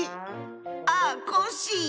ああコッシー。